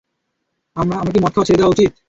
আমার কি মদ খাওয়া ছেড়ে দেওয়া উচিৎ?